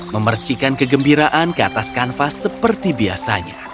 memercikan kegembiraan ke atas kanvas seperti biasanya